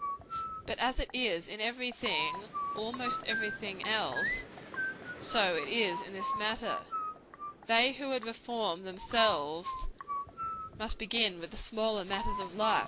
But as it is in every thing or almost every thing else, so it is in this matter: they who would reform themselves, must begin with the smaller matters of life.